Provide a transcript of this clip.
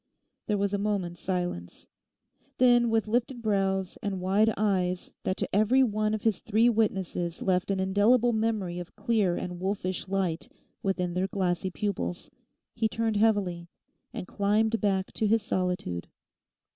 There was a moment's silence. Then with lifted brows and wide eyes that to every one of his three witnesses left an indelible memory of clear and wolfish light within their glassy pupils, he turned heavily, and climbed back to his solitude.